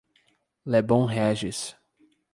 Lebon Régis